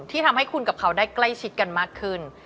ทำให้คุณกับเขาได้ใกล้ชิดกันมากขึ้น